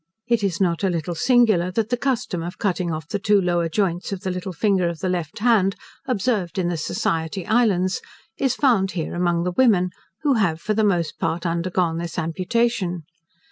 It is not a little singular, that the custom of cutting off the two lower joints of the little finger of the left hand, observed in the Society Islands, is found here among the women, who have for the most part undergone this amputation.